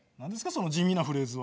その地味なフレーズは。